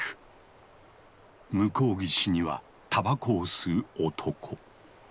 向こう岸にはたばこを吸う男。